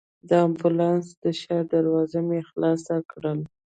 د امبولانس د شا دروازه مې خلاصه کړل.